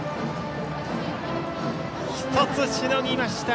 １つしのぎました